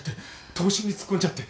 投資に突っ込んじゃって。